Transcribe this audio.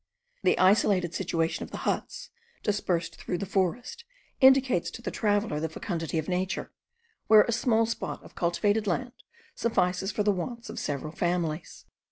The isolated situation of the huts dispersed through the forest indicates to the traveller the fecundity of nature, where a small spot of cultivated land suffices for the wants of several families.